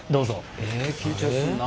え緊張するな。